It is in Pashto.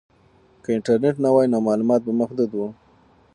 که انټرنیټ نه وای نو معلومات به محدود وو.